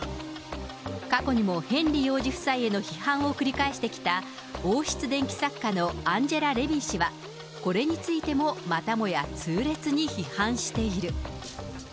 過去にもヘンリー王子夫妻への批判を繰り返してきた王室伝記作家のアンジェラ・レビン氏は、これについてもまたもや痛烈に批判している。